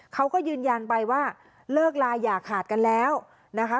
เขาก็ยืนยันไปว่าเลิกลาอย่าขาดกันแล้วนะคะ